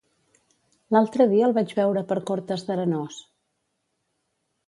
L'altre dia el vaig veure per Cortes d'Arenós.